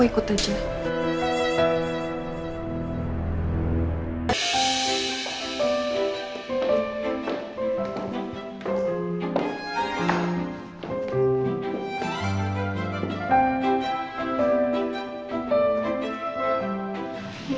aku udah mau masuk